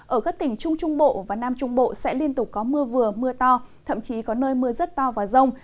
ở các tỉnh trung trung bộ và nam trung bộ sẽ liên tục có mưa vừa mưa to thậm chí có nơi mưa rất to và rông